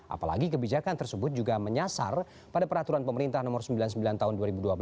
apalagi kebijakan tersebut juga menyasar pada peraturan pemerintah nomor sembilan puluh sembilan tahun dua ribu dua belas